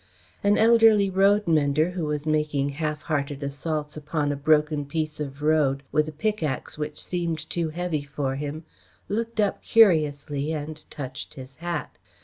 An elderly roadmender, who was making half hearted assaults upon a broken piece of road with a pickax which seemed too heavy for him, looked up curiously and touched his hat.